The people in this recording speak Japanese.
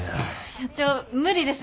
社長無理です。